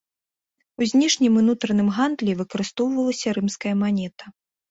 У знешнім і нутраным гандлі выкарыстоўвалася рымская манета.